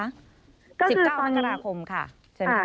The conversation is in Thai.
๑๙มกราคมค่ะใช่ไหมคะ